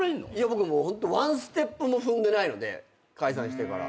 僕もうホントワンステップも踏んでないので解散してから。